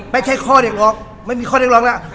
ไม่ใช่ข้อเรียกร้องไม่มีข้อเรียกร้องแล้ว